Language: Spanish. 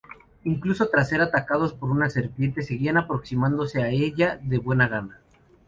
Incluso tras ser atacados por una serpiente, seguían aproximándose a ella de buena gana.